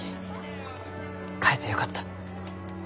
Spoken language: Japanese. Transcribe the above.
買えてよかった。